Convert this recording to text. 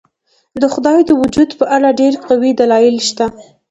د خدای د وجود په اړه ډېر قوي دلایل شته.